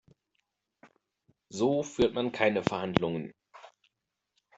So führt man keine Verhandlungen.